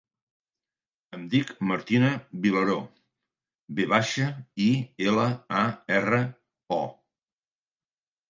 Em dic Martina Vilaro: ve baixa, i, ela, a, erra, o.